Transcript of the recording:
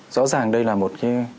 rõ ràng đây là một